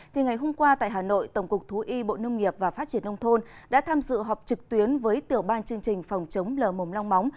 thì ngày hôm qua tại hà nội tổng cục thú y bộ nông nghiệp và phát triển nông thôn đã tham dự họp trực tuyến với tiểu ban chương trình phòng chống lờ mồm long móng